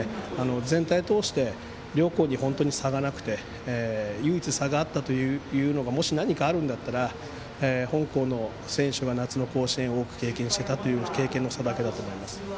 全体をとおして両校に本当に差がなくて唯一差があったというのがもし何かあるんだったら本校の選手が夏の甲子園を多く経験したという経験の差だけだと思います。